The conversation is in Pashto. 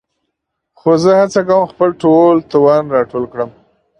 خو زه هڅه کوم خپل ټول توان راټول کړم.